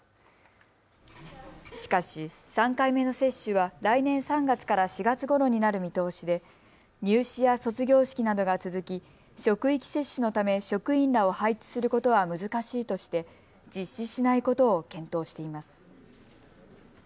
しかし３回目の接種は来年３月から４月ごろになる見通しで入試や卒業式などが続き職域接種のため職員らを配置することは難しいとして実施しないことを検討しています。